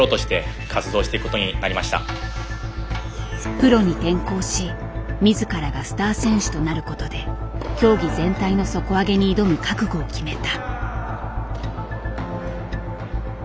プロに転向し自らがスター選手となることで競技全体の底上げに挑む覚悟を決めた。